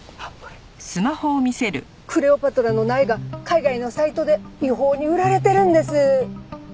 クレオパトラの苗が海外のサイトで違法に売られてるんです。